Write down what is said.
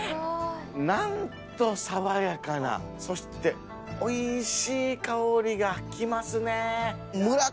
なんと爽やかなそしておいしい香りがきますね。